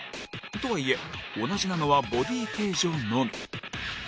とはいえ、同じなのはボディー形状のみ。